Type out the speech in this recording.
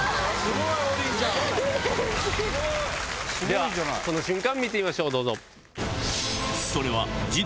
ではその瞬間見てみましょうどうぞ。